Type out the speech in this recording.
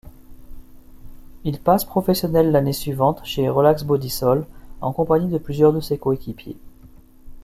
Il passe professionnel l'année suivante chez Relax-Bodysol en compagnie de plusieurs de ses coéquipiers.